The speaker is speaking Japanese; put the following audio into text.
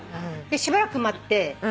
しばらく待って。